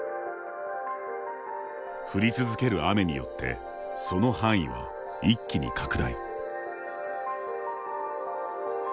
降り続ける雨によってその範囲は一気に拡大。